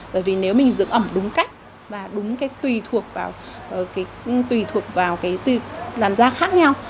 bởi vì nếu mình dưỡng ẩm đúng cách và đúng cái tùy thuộc vào tùy thuộc vào cái làn da khác nhau